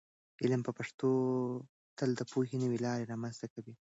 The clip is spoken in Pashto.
علم په پښتو تل د پوهې نوې لارې رامنځته کوي.